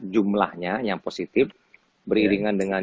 jumlahnya yang positif beriringan dengan